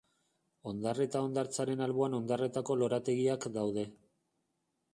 Ondarreta hondartzaren alboan Ondarretako lorategiak daude.